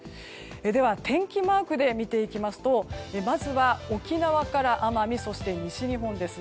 では、天気マークで見ていきますとまずは沖縄から奄美そして西日本です。